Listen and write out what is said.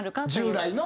従来の。